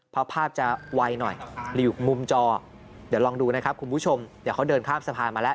เพราะภาพจะไวหน่อยอยู่มุมจอเดี๋ยวลองดูนะครับคุณผู้ชมเดี๋ยวเขาเดินข้ามสะพานมาแล้ว